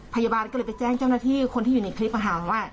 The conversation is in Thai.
พยาบาลก็เลยไปแจ้งเจ้าหน้าที่คนที่อยู่ในคลิปว่า